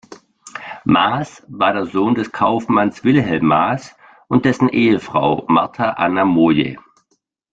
Maass war der Sohn des Kaufmanns Wilhelm Mass und dessen Ehefrau Martha Anna Moje.